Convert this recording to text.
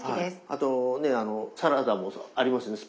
あとねサラダもありますね